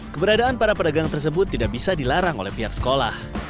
keberadaan para pedagang tersebut tidak bisa dilarang oleh pihak sekolah